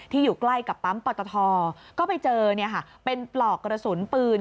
อยู่ใกล้กับปั๊มปอตทก็ไปเจอเป็นปลอกกระสุนปืน